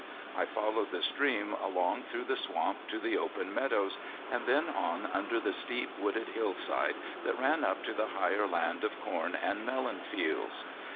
I followed the stream along through the swamp to the open meadows, and then on under the steep wooded hillside that ran up to the higher land of corn and melon fields.